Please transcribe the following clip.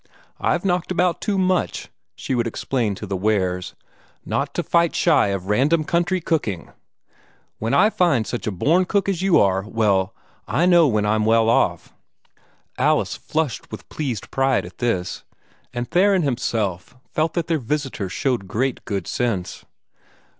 "I've knocked about too much," she would explain to the Wares, "not to fight shy of random country cooking. When I find such a born cook as you are well I know when I'm well off." Alice flushed with pleased pride at this, and Theron himself felt that their visitor showed great good sense.